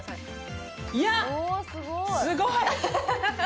いや、すごい。